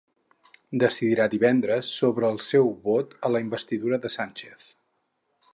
Decidirà divendres sobre el seu vot a la investidura de Sánchez.